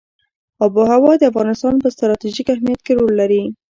آب وهوا د افغانستان په ستراتیژیک اهمیت کې رول لري.